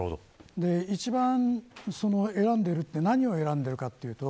一番選んでいるって何を選んでいるかというと